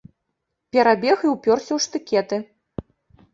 Перабег і ўпёрся ў штыкеты.